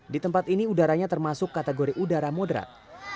di tempat ini udaranya termasuk kategori udara moderat